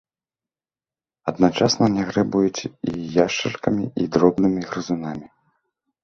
Адначасна не грэбуюць і яшчаркамі і дробнымі грызунамі.